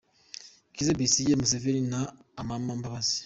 Kizza Besigye, Museveni na Amama Mbabazi